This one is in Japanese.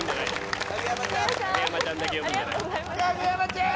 影山ちゃん！